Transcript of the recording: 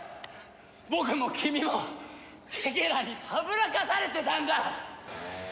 僕も君もケケラにたぶらかされてたんだ！